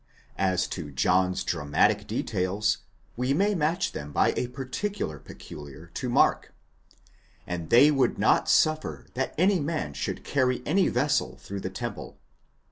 As to John's dramatic details, we may match them by a particular peculiar to Mark, 4nd they would not suffer that any man should carry any vessel through the temple (v.